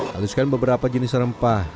haluskan beberapa jenis rempah